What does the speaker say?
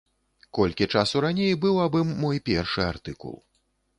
Колькі часу раней быў аб ім мой першы артыкул.